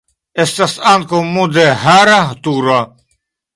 Estas ankaŭ mudeĥara turo.